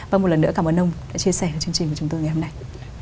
vâng một lần nữa cảm ơn ông đã chia sẻ với chương trình của chúng tôi ngày hôm nay